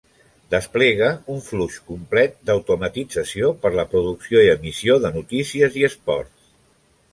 Desplega un flux complet d'automatització per a la producció i emissió de notícies i esports.